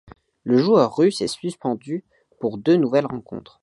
Le joueur russe est suspendu pour deux nouvelles rencontres.